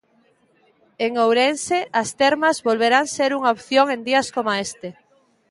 En Ourense, as termas volverán ser unha opción en días coma este.